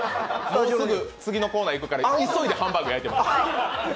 もうすぐ次のコーナー行くから急いでハンバーグ焼いてます。